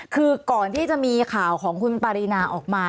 คือก่อนที่จะมีข่าวของคุณปารีนาออกมา